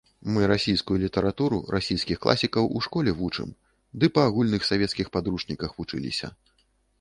Мы расійскую літаратуру, расійскіх класікаў у школе вучым, ды па агульных савецкіх падручніках вучыліся.